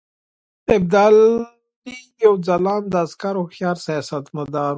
ابدالي یو ځلانده عسکر او هوښیار سیاستمدار وو.